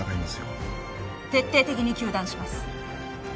徹底的に糾弾します。